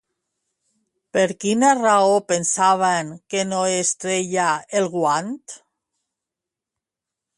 Per quina raó pensaven que no es treia el guant?